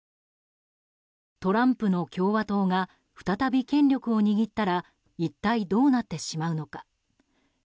トランプの共和党が再び、権力を握ったら一体どうなってしまうのか。